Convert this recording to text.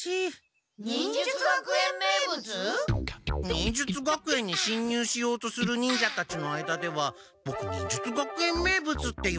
忍術学園にしんにゅうしようとする忍者たちの間ではボク忍術学園名物って言われてるんだって。